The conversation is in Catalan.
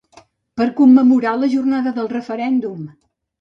Per commemorar la jornada del referèndum!